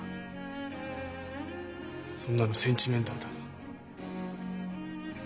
そんなのセンチメンタルだ。